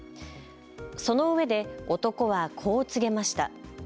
そのうえで男はこう告げました。